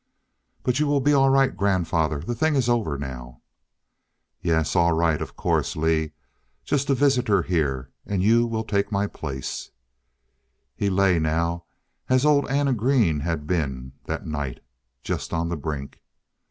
"But you will be all right, grandfather. The thing is over now." "Yes. All right of course, Lee. Just a visitor here and you will take my place " He lay now as old Anna Green had been that night just on the brink.